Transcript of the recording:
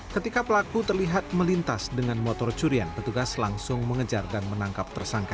ketika pelaku terlihat melintas dengan motor curian petugas langsung mengejar dan menangkap tersangka